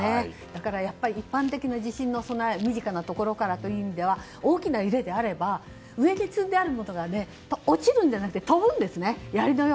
だから一般的な地震の備え身近なところからという意味では大きな揺れであれば上に積んであるものとかが落ちるんじゃなくて飛ぶんですね。